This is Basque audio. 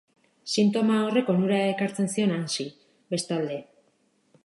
Sintoma horrek onura ekartzen zion Hansi, bestalde.